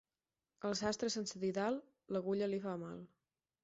Al sastre sense didal, l'agulla li fa mal.